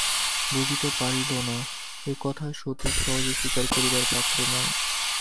বুঝিতে পারিল না এ কথা সতীশ সহজে স্বীকার করিবার পাত্র নয়।